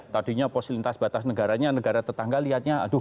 tadinya pos lintas batas negaranya negara tetangga lihatnya aduh